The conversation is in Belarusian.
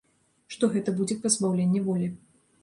Што гэта будзе пазбаўленне волі.